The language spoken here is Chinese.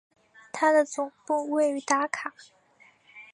它的总部位于达卡。